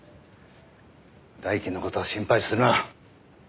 大輝の事は心配するな。